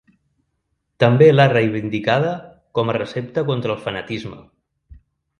També l’ha reivindicada com a recepta contra el fanatisme.